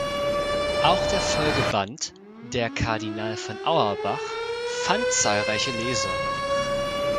Auch der Folgeband „Der Kardinal von Auerbach“ fand zahlreiche Leser.